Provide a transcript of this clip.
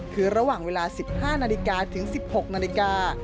คือระหว่างเวลา๑๕นาฬิกาถึง๑๖นาฬิกา